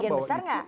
sebagian besar nggak